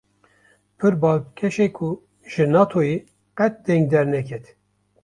Pir balkêşe ku ji Natoyê qet deng derneket